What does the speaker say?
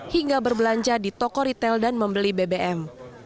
hingga berbelanja di toko retail dan membeli bbm